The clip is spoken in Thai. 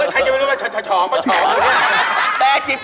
ใครจะไม่รู้ว่าช้องก็ช้อง